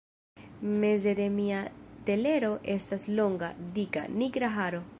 Meze de mia telero estas longa, dika, nigra haro!